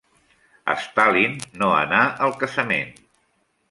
Stalin no anà al casament.